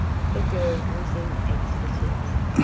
The girl was in ecstasies.